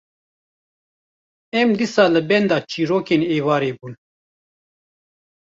em dîsa li benda çîrokên êvarê bûn.